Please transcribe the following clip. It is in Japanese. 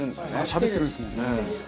しゃべってるんですもんね。